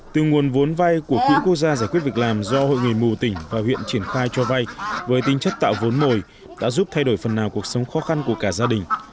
từ nguồn vốn vay của quỹ quốc gia giải quyết việc làm do hội người mù tỉnh và huyện triển khai cho vay với tinh chất tạo vốn mồi đã giúp thay đổi phần nào cuộc sống khó khăn của cả gia đình